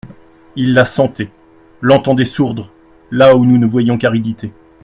Il la sentait, l'entendait sourdre, là où nous ne voyions qu'aridité.